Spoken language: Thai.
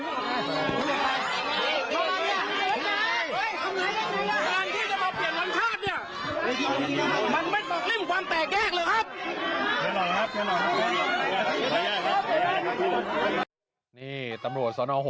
สมัยไม่เรียกหวังผม